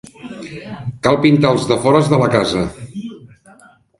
Cal pintar els defores de la casa.